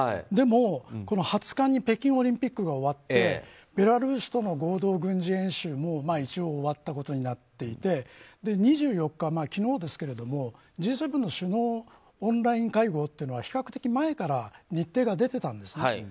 でも、２０日に北京オリンピックが終わってベラルーシとの合同軍事演習も一応終わったことになっていて２４日、昨日ですけれどもＧ７の首脳のオンライン会合というのが比較的、前から日程が出てたんですね。